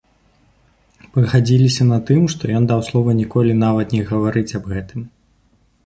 Пагадзіліся на тым, што ён даў слова ніколі нават не гаварыць аб гэтым.